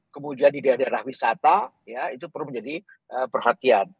kemudian di daerah daerah wisata ya itu perlu menjadi perhatian